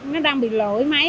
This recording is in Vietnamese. nó đang bị lỗi mấy